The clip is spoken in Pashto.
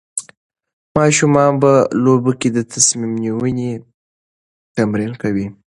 ماشومان په لوبو کې د تصمیم نیونې تمرین کوي.